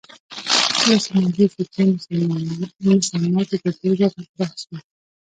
کله چې موضوع فکري مسلماتو په توګه مطرح شوه